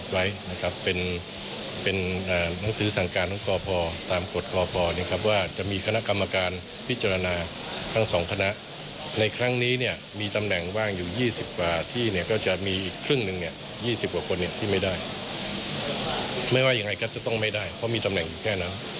แล้วอาญาต้ายก็จะต้องไม่ได้เพราะมีตำแหน่งอยู่แค่นั้น